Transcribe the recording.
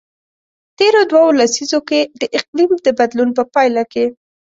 تیرو دوو لسیزو کې د اقلیم د بدلون په پایله کې.